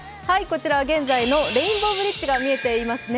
現在のレインボーブリッジが見えていますね。